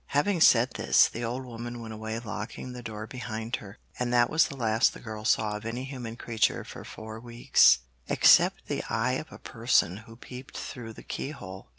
Having said this, the old woman went away locking the door behind her, and that was the last the girl saw of any human creature for four weeks, except the eye of a person who peeped through the keyhole.